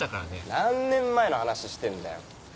何年前の話してんだよ。